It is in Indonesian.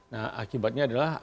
nah akibatnya adalah